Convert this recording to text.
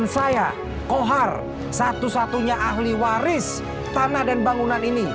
satunya ahli waris tanah dan bangunan ini